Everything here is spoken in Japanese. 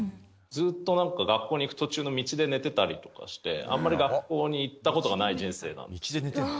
ずっとなんか学校に行く途中の道で寝てたりとかして、あんまり学校に行ったことがない人生なんで。